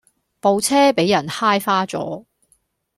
部車比人揩花左